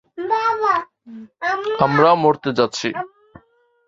আমরা মরতে যাচ্ছি।